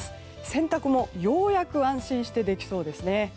洗濯もようやく安心してできそうですね。